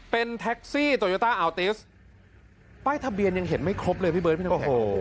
เป็นแท็กซี่โตโยต้าอัลติสป้ายทะเบียนยังเห็นไม่ครบเลยพี่เบิร์พี่น้ำแข็ง